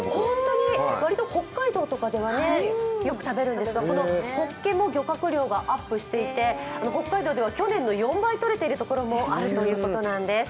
割と北海道とかではよく食べるんですけどホッケも漁獲量がアップしていて、北海道では去年の４倍とれているところもあるということなんです。